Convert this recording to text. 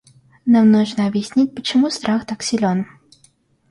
Нам нужно объяснить, почему страх так силен.